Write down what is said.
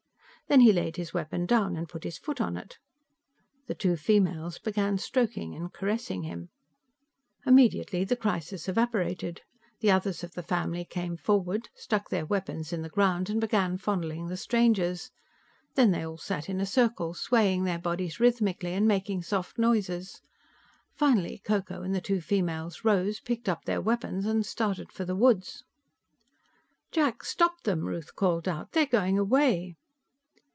Then he laid his weapon down and put his foot on it. The two females began stroking and caressing him. Immediately the crisis evaporated. The others of the family came forward, stuck their weapons in the ground and began fondling the strangers. Then they all sat in a circle, swaying their bodies rhythmically and making soft noises. Finally Ko Ko and the two females rose, picked up their weapons and started for the woods. "Jack, stop them," Ruth called out. "They're going away."